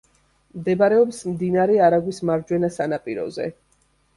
მდებარეობს მდინარე არაგვის მარჯვენა სანაპიროზე.